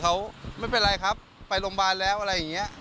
เขาไม่เป็นไรครับไปโรงพยาบาลแล้วอะไรอย่างนี้